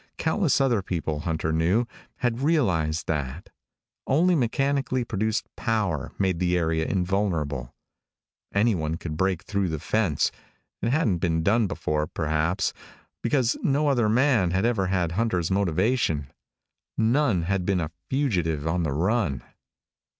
Countless other people, Hunter knew, had realized that. Only mechanically produced power made the area invulnerable. Anyone could break through the fence. It hadn't been done before, perhaps, because no other man had ever had Hunter's motivation. None had been a fugitive on the run.